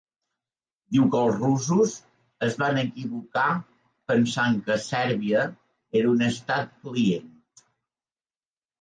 Diu que els russos es van equivocar pensant que Sèrbia era un estat client.